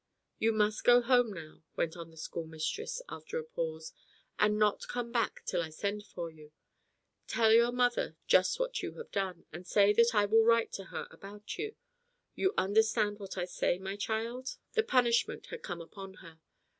"You must go home now," went on the schoolmistress after a pause, "and not come back till I send for you. Tell your mother just what you have done, and say that I will write to her about you. You understand what I say, my child?" The punishment had come upon her.